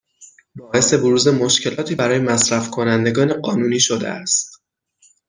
باعث بروز مشکلاتی برای مصرفکنندگان قانونی شده است